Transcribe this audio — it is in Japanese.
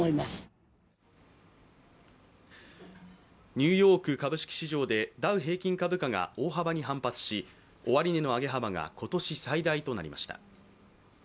ニューヨーク株式市場でダウ平均株価が大幅に反発し終値の上げ幅が今年最大となりました。